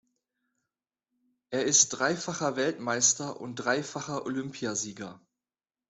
Er ist dreifacher Weltmeister und dreifacher Olympiasieger.